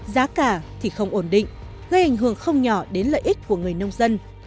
giá cả thì không ổn định gây ảnh hưởng không nhỏ đến lợi ích của người nông dân